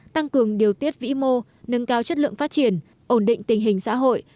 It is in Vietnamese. tăng cường điều tiết vĩ mô nâng cao chất lượng phát triển ổn định tình hình xã hội